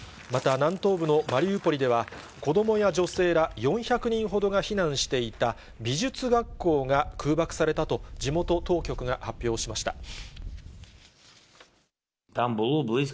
また、南東部のマリウポリでは、子どもや女性ら４００人ほどが避難していた美術学校が空爆されたと、地元当局が発表しました。